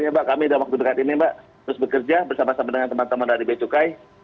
ya mbak kami dalam waktu dekat ini mbak terus bekerja bersama sama dengan teman teman dari becukai